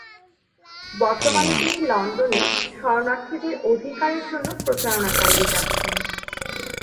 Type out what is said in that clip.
বর্তমানে তিনি লন্ডনে শরণার্থীদের অধিকারের জন্য প্রচারণা চালিয়ে যাচ্ছেন।